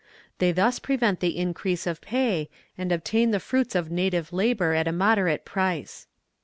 They thus prevent the increase of pay, and obtain the fruits of native labour at a moderate price.